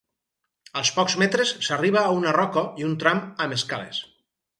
Als pocs metres s'arriba a una roca i un tram amb escales.